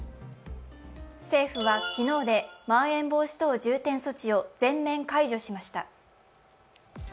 政府は昨日で、まん延防止等重点措置を全面解除しました。